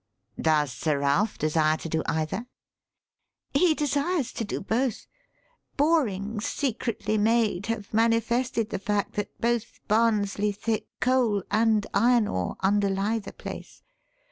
"Does Sir Ralph desire to do either?" "He desires to do both. Borings secretly made have manifested the fact that both Barnsley thick coal and iron ore underlie the place.